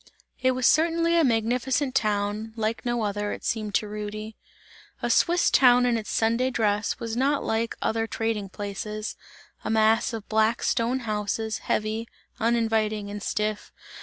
It was certainly a magnificent town; like no other, it seemed to Rudy. A Swiss town in its Sunday dress, was not like other trading places, a mass of black stone houses, heavy, uninviting and stiff.